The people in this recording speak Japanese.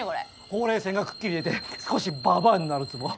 ほうれい線がくっきり出て少しババアになるツボ。